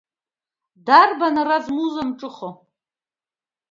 Дарбан ара змуза мҿыхо!